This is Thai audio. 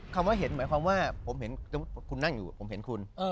คำว่าเห็นหมายความว่าผมเห็นคุณนั่งอยู่ผมเห็นคุณ